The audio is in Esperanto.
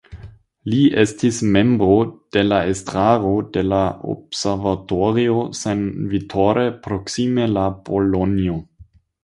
Li estis membro de la estraro de la Observatorio San Vittore proksime de Bolonjo.